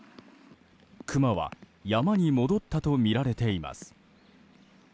クマは山に戻ったとみられています。